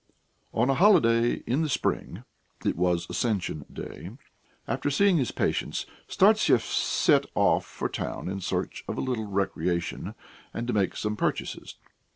On a holiday in the spring it was Ascension Day after seeing his patients, Startsev set off for town in search of a little recreation and to make some purchases.